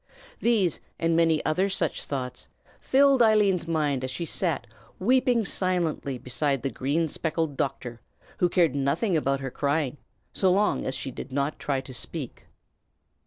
These, and many other such thoughts, filled Eileen's mind as she sat weeping silently beside the green spectacled doctor, who cared nothing about her crying, so long as she did not try to speak.